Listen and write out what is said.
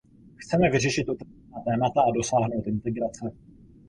Chceme vyřešit otevřená témata a dosáhnout integrace.